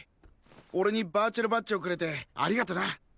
おれにバーチャルバッジをくれてありがとなノルウィン。